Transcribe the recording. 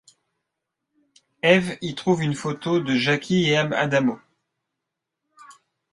Ève y trouve une photo de Jackie et Adamo.